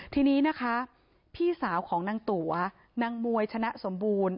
ทีนี้นะคะพี่สาวของนางตั๋วนางมวยชนะสมบูรณ์